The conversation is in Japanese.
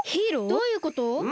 どういうこと？